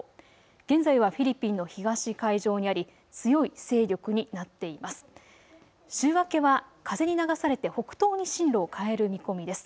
現在はフィリピンの東海上にあり強い勢力になっています。